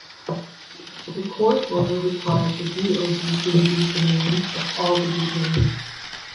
The court order required the DoD to release the names of all the detainees.